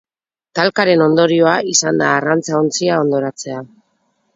Talkaren ondorioa izan da arrantza-ontzia hondoratzea.